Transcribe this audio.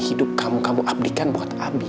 hidup kamu kamu abdikan buat kami